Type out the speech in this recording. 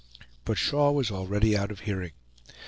But Shaw was already out of hearing.